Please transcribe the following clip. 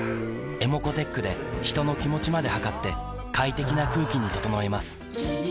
ｅｍｏｃｏーｔｅｃｈで人の気持ちまで測って快適な空気に整えます三菱電機